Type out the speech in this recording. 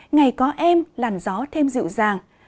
ngày có em làn gió thêm dịu dàng